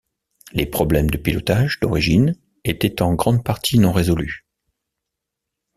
Les problèmes de pilotage d'origine étaient en grande partie non résolus.